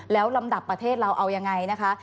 แล้วลำดับประเทศเราเอายังไงนะคะ